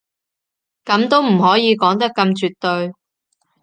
噉都唔可以講得咁絕對